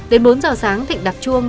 đến bốn giờ sáng thịnh đặt chuông